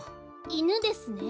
いぬですね。